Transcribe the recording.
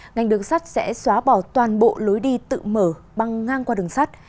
ngành đường sắt sẽ xóa bỏ toàn bộ lối đi tự mở băng ngang qua đường sắt